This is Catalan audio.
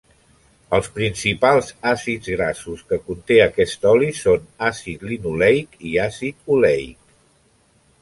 Els principals àcids grassos que conté aquest oli són àcid linoleic i àcid oleic.